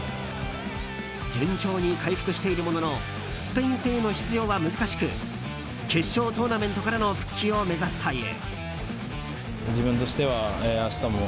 順調に回復しているもののスペイン戦への出場は難しく決勝トーナメントからの復帰を目指すという。